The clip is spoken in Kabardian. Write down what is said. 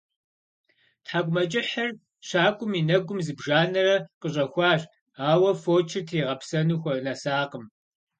ТхьэкӀумэкӀыхьыр щакӀуэм и нэгум зыбжанэрэ къыщӀэхуащ, ауэ фочыр тригъэпсэну хунэсакъым.